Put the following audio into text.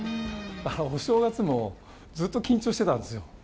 お正月もずっと緊張してたんですよ。